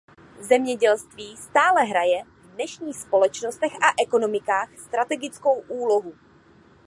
Zemědělství stále hraje v dnešních společnostech a ekonomikách strategickou úlohu.